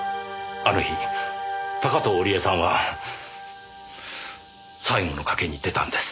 あの日高塔織絵さんは最後の賭けに出たんです。